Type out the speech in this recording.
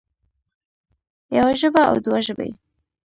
يوه ژبه او دوه ژبې